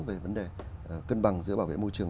về vấn đề cân bằng giữa bảo vệ môi trường